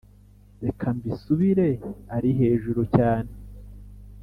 reka mbisubire ari hejuru cyane